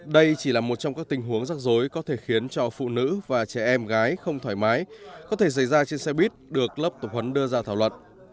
đây chỉ là một trong các tình huống rắc rối có thể khiến cho phụ nữ và trẻ em gái không thoải mái có thể xảy ra trên xe buýt được lớp tập huấn đưa ra thảo luận